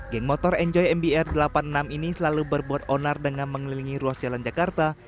geng motor enjoy mbr delapan puluh enam ini selalu berbuat onar dengan mengelilingi ruas jalan jakarta